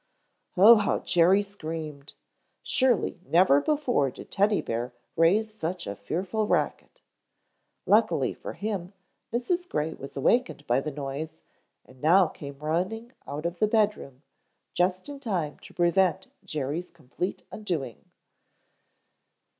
Oh, how Jerry screamed! Surely never before did Teddy bear raise such a fearful racket. Luckily for him, Mrs. Gray was awakened by the noise and now came running out of the bedroom, just in time to prevent Jerry's complete undoing.